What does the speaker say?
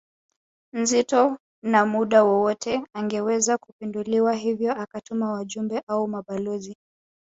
nzito na muda wowote angeweza kupinduliwa hivyo akatuma wajumbe au mabalozi